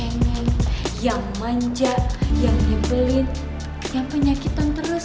ini anak tiri yang cengel yang manja yang nyebelin yang penyakitan terus